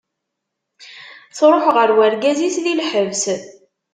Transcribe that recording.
Truḥ ɣer urgaz-is di lḥebs.